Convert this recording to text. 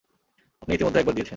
আপনি ইতিমধ্যে একবার দিয়েছেন।